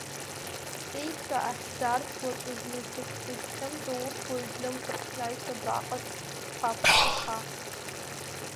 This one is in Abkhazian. Сҵеицәа ахьӡарц, уаҵәы зны, са сызхьымӡо, урҭ уаҩ днымхарц, снаҩс, абраҟа дԥаԥсаха.